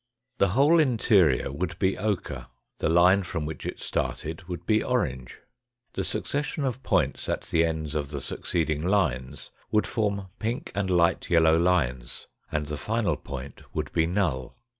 The whole interior would be ochre, the line from which it started would be orange. The succession of points at the ends of the succeeding lines would form pink and light yellow lines and the final point would be null.